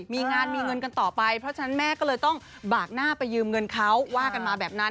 มีงานมีเงินกันต่อไปเพราะฉะนั้นแม่ก็เลยต้องบากหน้าไปยืมเงินเขาว่ากันมาแบบนั้น